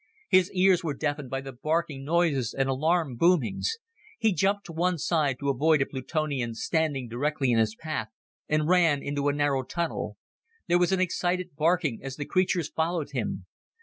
His ears were deafened by the barking noises and alarm boomings. He jumped to one side to avoid a Plutonian standing directly in his path, and ran into a narrow tunnel. There was an excited barking as the creatures followed him.